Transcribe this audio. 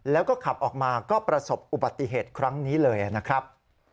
แล้วก็ขับออกมาก็ประสบอุบัติเหตุครั้งนี้เลยนะครับ